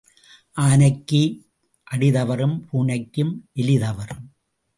ஆனைக்கும் அடி தவறும் பூனைக்கும் எலி தவறும்.